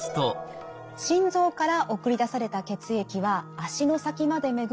心臓から送り出された血液は足の先まで巡り